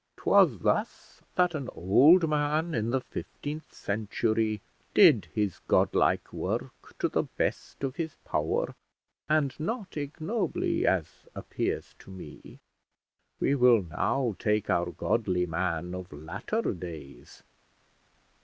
'Twas thus that an old man in the fifteenth century did his godlike work to the best of his power, and not ignobly, as appears to me. We will now take our godly man of latter days.